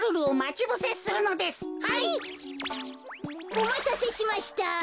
おまたせしました。